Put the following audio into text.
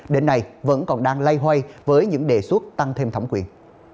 đến nay vẫn còn đang loay hoay với những đề xuất tăng thêm thẩm quyền